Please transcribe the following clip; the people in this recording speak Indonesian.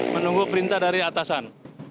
menunggu perintah dari atasan